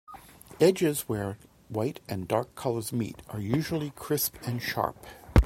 Edges where white and dark color meet are usually crisp and sharp.